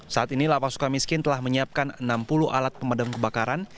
saat ini lapas suka miskin telah menyiapkan enam puluh alat pemadam kebakaran